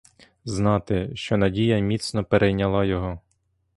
Знати, що надія міцно перейняла його.